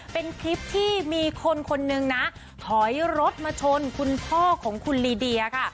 เป็นคลิปที่มีคนคนนึงนะถอยรถมาชนคุณพ่อของคุณลีเดียค่ะ